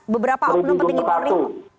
beberapa oknum petinggi polri